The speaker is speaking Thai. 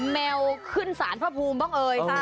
แมวขึ้นสารพระภูมิบ้างเอ่ย